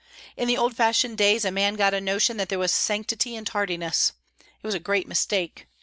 In the old fashioned days a man got a notion that there was sanctity in tardiness. It was a great mistake.